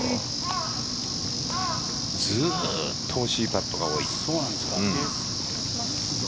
ずっと惜しいパットが多い。